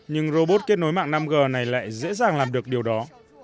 nhưng robot kết nối mạng năm g này lại dễ dàng làm được điều đó